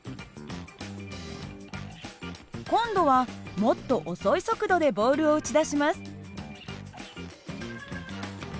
今度はもっと遅い速度でボールを打ち出します。